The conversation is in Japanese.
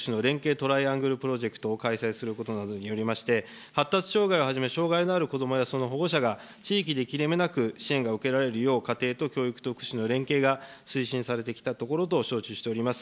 トライアングルプロジェクトを開催することなどによりまして、発達障害をはじめ、障害のあるこどもやその保護者が地域で切れ目なく支援が受けられるよう、家庭と教育と福祉の連携が推進されてきたところと承知しております。